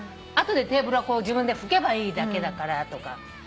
後でテーブルは自分で拭けばいいだけだからとか。